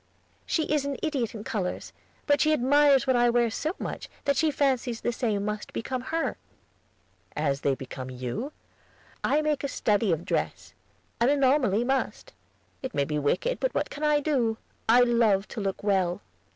"She is an idiot in colors; but she admires what I wear so much that she fancies the same must become her." "As they become you?" "I make a study of dress an anomaly must. It may be wicked, but what can I do? I love to look well."